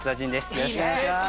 よろしくお願いします